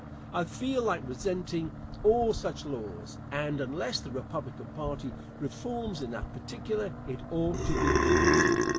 I feel like resenting all such laws, and unless the Republican party reforms in that particular, it ought to be defeated.